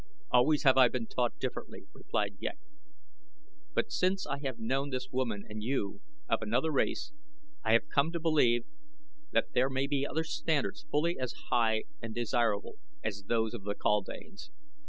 "Always have I been taught differently," replied Ghek; "but since I have known this woman and you, of another race, I have come to believe that there may be other standards fully as high and desirable as those of the kaldanes.